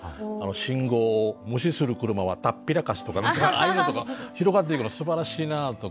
「信号を無視する車はタッピラカス」とか何かああいうのとか広がっていくのすばらしいなとか。